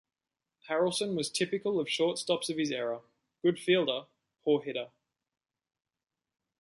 Harrelson was typical of shortstops of his era: good fielder, poor hitter.